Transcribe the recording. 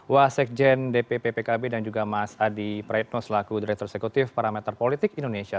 wasik jend dpp pkb dan juga mas hadi pradno selaku direktur eksekutif parameter politik indonesia